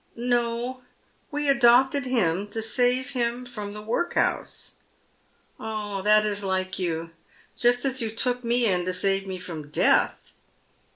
" No. We adopted him to save him from the workhouse." " Ah, that is like you — just as you took me in to save me from death."